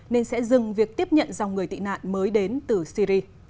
nên sẽ dừng việc tiếp nhận dòng người tị nạn mới đến từ syri